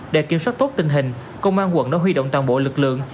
để kiểm soát tốt tình hình công an quận đã huy động toàn bộ lực lượng